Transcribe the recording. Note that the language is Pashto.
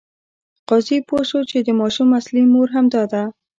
قاضي پوه شو چې د ماشوم اصلي مور همدا ده.